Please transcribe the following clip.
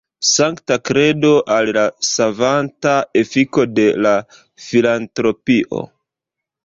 Sankta kredo al la savanta efiko de la filantropio!